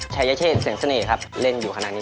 ชัยยเชศเชียงเสน่ห์เล่นอยู่คณะนี้